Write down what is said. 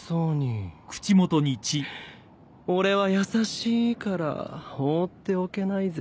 俺は優しいから放っておけないぜ。